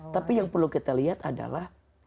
tapi yang perlu kita lihat adalah